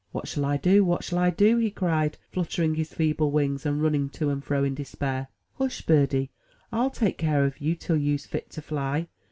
''What shall I do? what shall I do?*' he cried, fluttering his feeble wings, and running to and fro in despair. "Hush, birdie, FU take kere ob you till you's fit to fly.